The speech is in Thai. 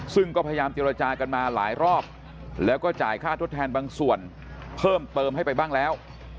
ซึ่งก็พยายามเจรจากันมาหลายรอบแล้วก็จ่ายค่าทดแทนบางส่วนเพิ่มเติมให้ไปบ้างแล้ว